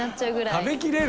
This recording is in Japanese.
食べきれる？